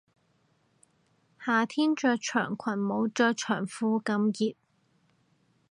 夏天着長裙冇着長褲咁熱